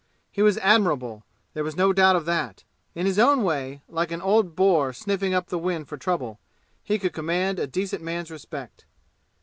He was admirable, there was no doubt of that. In his own way, like an old boar sniffing up the wind for trouble, he could command a decent man's respect.